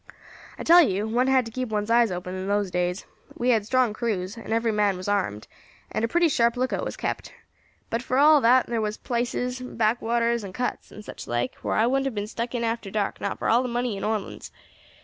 "I tell you one had to keep one's eyes open in those days. We had strong crews, and every man was armed, and a pretty sharp lookout was kept; but for all that thar was places, back waters, and cuts, and such like, whar I wouldn't have been stuck in after dark, not for all the money in Orleans.